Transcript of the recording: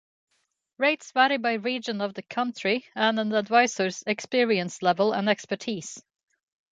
Rates vary by region of the country and an advisor's experience level and expertise.